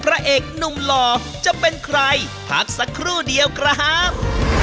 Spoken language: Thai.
พระเอกหนุ่มหล่อจะเป็นใครพักสักครู่เดียวครับ